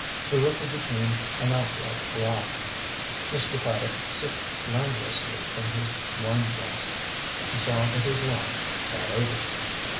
The ripple became an outright laugh. Mr. Paddock sipped languorously from his wine glass. He saw that his lines "got over."